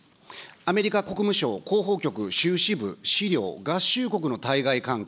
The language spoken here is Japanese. アメリカ国務省広報局しゅうしぶ資料、合衆国の対外関係。